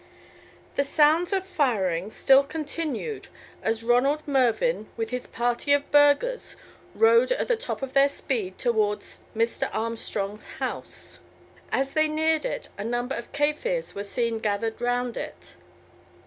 The sounds of firing still continued as Ronald Mervyn, with his party of burghers, rode at the top of their speed towards Mr. Armstrong's house. As they neared it a number of Kaffirs were seen gathered round it.